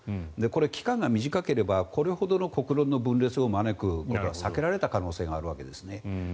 これは期間が短ければこれほどの国論の分裂は避けられた可能性があるんですね。